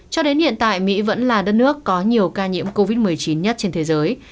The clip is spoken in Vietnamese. cho đến hiện tại mỹ vẫn là đất nước có nhiều ca nhiễm covid một mươi chín nhất trên thế giới